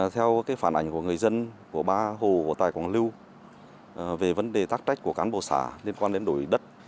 theo phản ảnh của người dân của ba hồ của tài quảng lưu về vấn đề tác trách của cán bộ xã liên quan đến đổi đất